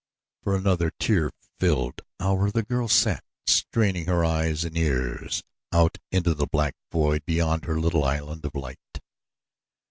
For another fear filled hour the girl sat straining her eyes and ears out into the black void beyond her little island of light.